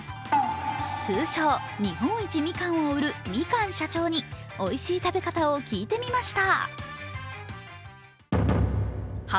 通称、日本一みかんを売るみかん社長においしい食べ方を聞いてみました。